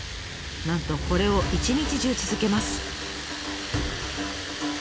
なんとこれを一日中続けます。